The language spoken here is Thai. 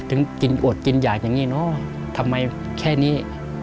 ถึงกินอวดกินอยากอย่างนี้เนอะทำไมแค่นี้